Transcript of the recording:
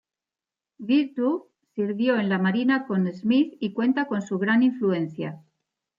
Virtue sirvió en la Marina con Smith y cuenta como su gran influencia.